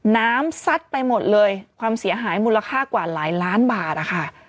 ซัดไปหมดเลยความเสียหายมูลค่ากว่าหลายล้านบาทนะคะ